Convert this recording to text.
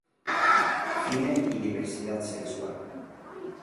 Cine y diversidad sexual.